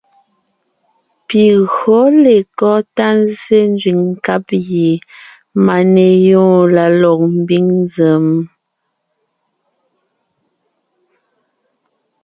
Pi gÿǒ lekɔ́ tá nzsé nzẅìŋ nkáb gie máneyoon la lɔg mbiŋ nzèm?